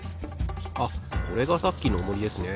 あこれがさっきのオモリですね。